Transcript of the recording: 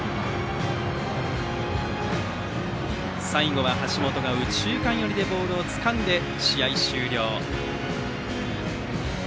最後は橋本が右中間寄りでボールをつかんで試合終了。